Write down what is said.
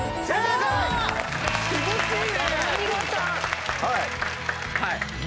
気持ちいいね！